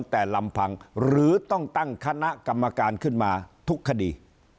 แต่ลำพังหรือต้องตั้งคณะกรรมการขึ้นมาทุกคดี